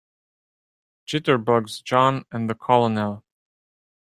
Jitterbugs JOHN and the COLONEL.